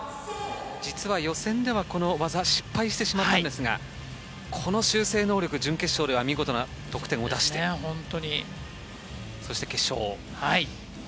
実は予選では、この技失敗してしまったんですがこの修正能力、準決勝では見事な得点を出してそして、決勝。